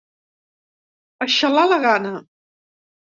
A xalar la gana!